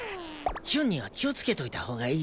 ヒュンには気をつけといた方がいいぜ？